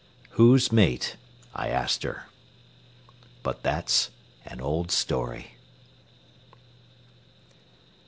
"Whose mate?" I asked her. But that's an old story.